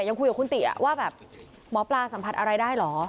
ยังคุยกับคุณกิติศักดิ์อ่ะว่าแบบหมอปลาสัมผัสอะไรได้หรอ